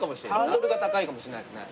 ハードルが高いかもしれないですね。